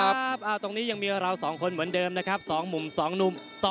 สวัสดีครับตรงนี้ยังมีเรา๒คนเหมือนเดิม๒มุ่น๒นม